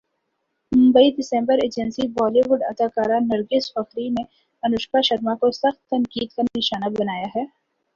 Mumbai December agency Bollywood اداکارہ نرگس فخری نے انوشکا شرما کو سخت تنقید کا نشانہ بنایا ہے